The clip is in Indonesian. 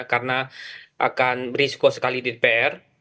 karena akan berisiko sekali di pr